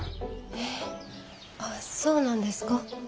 えっあっそうなんですか。